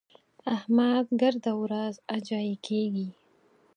احمد ګرده ورځ اجايي کېږي.